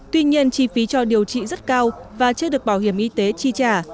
tuy nhiên chi phí cho điều trị rất cao và chưa được bảo hiểm y tế chi trả